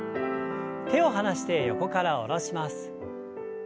手を離して横から下ろします。